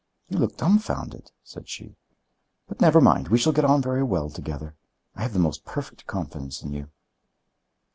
"You look dumfounded," said she. "But never mind, we shall get on very well together. I have the most perfect confidence in you."